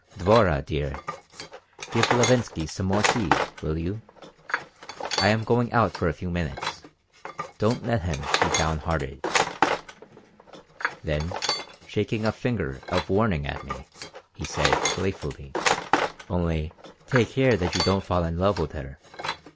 "Dvorah dear, give Levinsky some more tea, will you? I am going out for a few minutes. Don't let him be downhearted." Then, shaking a finger of warning at me, he said, playfully, "Only take care that you don't fall in love with her!"